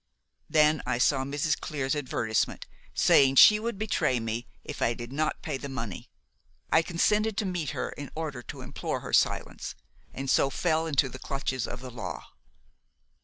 Then I saw Mrs. Clear's advertisement saying she would betray me if I did not pay the money. I consented to meet her in order to implore her silence, and so fell into the clutches of the law.